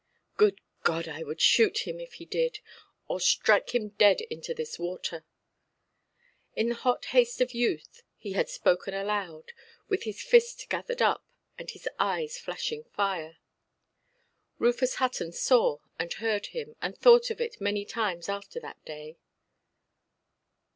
"Good God! I would shoot him if he did; or strike him dead into this water". In the hot haste of youth he had spoken aloud, with his fist gathered up, and his eyes flashing fire. Rufus Hutton saw and heard him, and thought of it many times after that day.